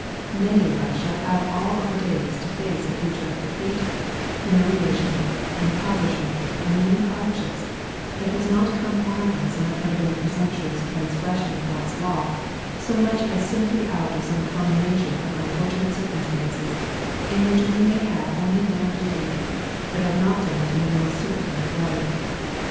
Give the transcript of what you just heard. Many of us shall have all our days to face a future of defeat, humiliation, impoverishment, and many hardships, that has not come on us on account of any presumptuous transgression of God's law so much as simply out of some combination of unfortunate circumstances in which we may have only done our duty, but have not done it in the most serpent like way.